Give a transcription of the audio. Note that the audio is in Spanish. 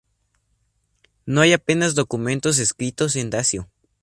No hay apenas documentos escritos en dacio.